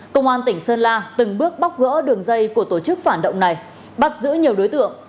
công an tỉnh sơn la từng bước bóc gỡ đường dây của tổ chức phản động này bắt giữ nhiều đối tượng